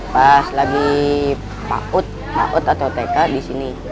pas lagi pak ut atau tk disini